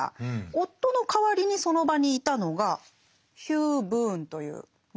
夫の代わりにその場にいたのがヒュー・ブーンという物乞い。